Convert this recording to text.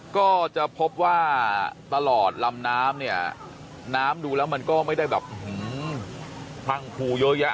ก็จะพบว่าตลอดลำน้ำเนี่ยน้ำดูแล้วมันก็ไม่ได้แบบพรั่งพลูเยอะแยะ